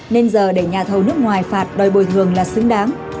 nên giờ để nhà thầu nước ngoài phạt đòi bồi thường là xứng đáng